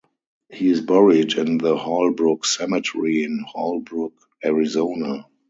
He is buried in the Holbrook Cemetery in Holbrook, Arizona.